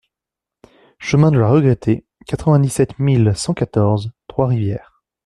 Chemin de la Regrettée, quatre-vingt-dix-sept mille cent quatorze Trois-Rivières